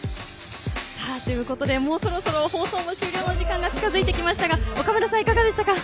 もうそろそろ放送の終了のお時間が近づいてきましたが岡村さん、いかがでしたか？